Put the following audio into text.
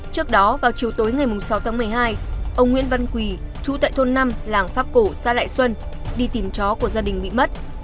trước đó vào chiều tối ngày sáu tháng một mươi hai ông nguyễn văn quỳ chú tại thôn năm làng pháp cổ xã lại xuân đi tìm chó của gia đình bị mất